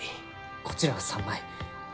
こちらは３枚。